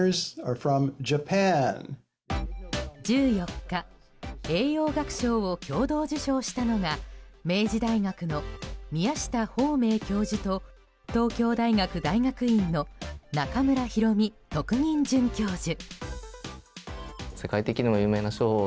１４日、栄養学賞を共同受賞したのが明治大学の宮下芳明教授と東京大学大学院の中村裕美特任准教授。